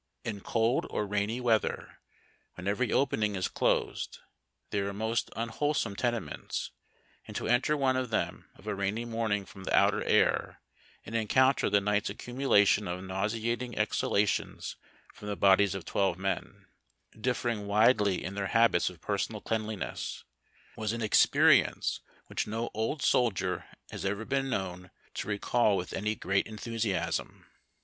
In cold or rainy weather, when every opening is closed, they are most unwholesome tenements, and to enter one of them of a rainy morning from the outer air, and encounter the night's accumulation of nauseating exhalations from the bodies of twelve men (differing widely in their habits of personal cleanliness) was an experience which no old soldier has ever been known to recall with anv great enthusiasm.